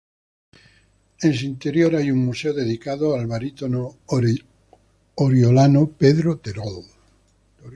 En su interior hay un museo dedicado al barítono oriolano Pedro Terol.